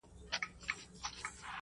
ما او ازل دواړو اورېدل چي توپان څه ویل!!